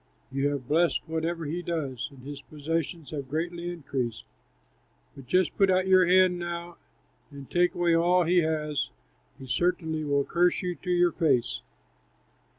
You have blessed whatever he does, and his possessions have greatly increased. But just put out your hand now and take away all he has; he certainly will curse you to your face."